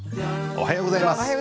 おはようございます。